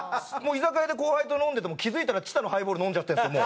居酒屋で後輩と飲んでても気付いたら知多のハイボール飲んじゃってるんですよ